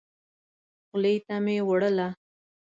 خولې ته مي وړله .